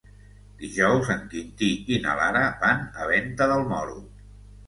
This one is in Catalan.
Dijous en Quintí i na Lara van a Venta del Moro.